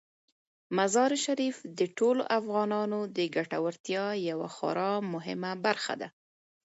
مزارشریف د ټولو افغانانو د ګټورتیا یوه خورا مهمه برخه ده.